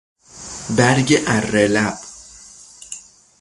برگ اره لب